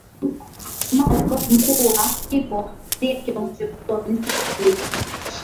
hatimaye askofu mkuu wa HippoNdiye kiongozi mkuu wa Kanisa Katoliki